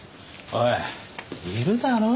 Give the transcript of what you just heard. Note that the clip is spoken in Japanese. おいいるだろ？